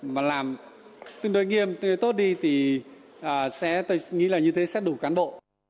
và làm tương đối nghiêm tương đối tốt đi thì sẽ tôi nghĩ là như thế sẽ đủ cán bộ